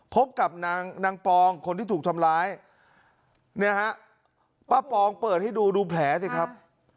พบกับนางนางปองคนที่ถูกทำร้ายเนี่ยฮะป้าปองเปิดให้ดูดูแผลสิครับ